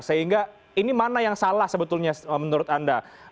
sehingga ini mana yang salah sebetulnya menurut anda